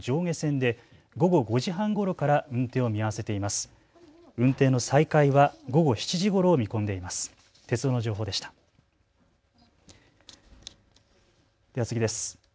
では次です。